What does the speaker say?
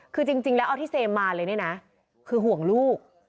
คือจริงแล้วเอาที่เซมมาเลยเนี่ยนะคือห่วงลูก